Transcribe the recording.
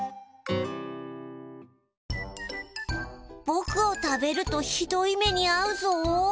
ぼくを食べるとひどい目にあうぞ。